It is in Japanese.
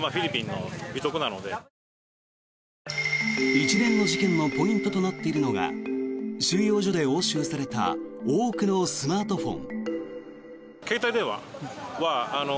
一連の事件のポイントとなっているのが収容所で押収された多くのスマートフォン。